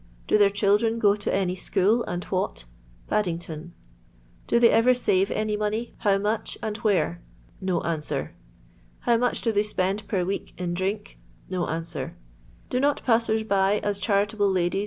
Do their children go to any school; and what 1— Paddington. Do they ever save any money ; how much, and where 1 — How mucli do they spend per week in drink 1 Do not passers by, as charitable ladies, &c.